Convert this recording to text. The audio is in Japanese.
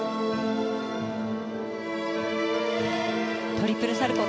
トリプルサルコウ。